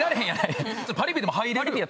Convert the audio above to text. パリピでも入れるよ。